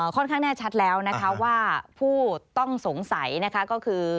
ค่อนข้างแน่ชัดแล้วว่าผู้ต้องสงสัยก็คือ